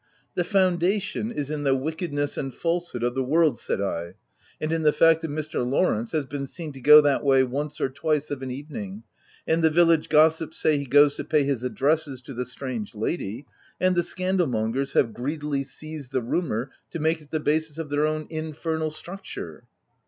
*' "The foundation is in the wickedness and falsehood of the world," said I, " and in the fact that Mr. Lawrence has been seen to go that way once or twice of an evening — and the village gossips say he goes to pay his addresses to the strange lady, and the scandal mongers have greedily seized the rumour, to make it the basis of their own infernal structure."